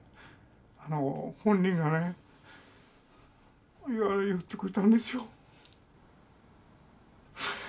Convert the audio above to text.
あの本人がね言ってくれたんですよ。